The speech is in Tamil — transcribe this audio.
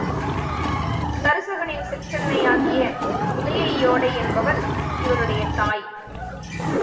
தருசகனின் சிற்றன்னையாகிய உதையையோடை என்பவள் இவளுடைய தாய்.